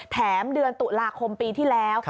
เดือนตุลาคมปีที่แล้ว